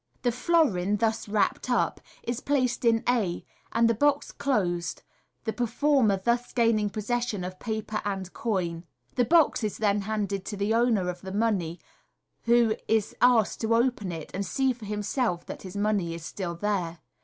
The florin, thus wrapped up, is placed in a, and the box closed, the performer thus gaining possession of paper and coin. The box is then handed to the owner of the money, who is asked to open it and see for himself that his money is still there.